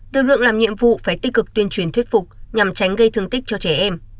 lực lượng làm nhiệm vụ phải tích cực tuyên truyền thuyết phục nhằm tránh gây thương tích cho trẻ em